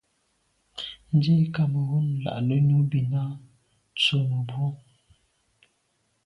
Ndzî Cameroun là'də̌ nù bìn à' tswə́ mə̀bró.